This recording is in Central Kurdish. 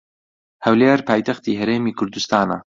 هەولێر پایتەختی هەرێمی کوردستانە.